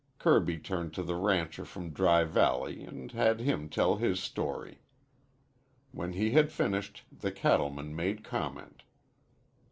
Kirby turned to the rancher from Dry Valley and had him tell his story. When he had finished, the cattleman made comment.